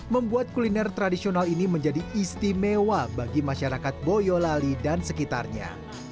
membuat kuliner tradisional ini menjadi istimewa bagi masyarakat boyolali dan sekitarnya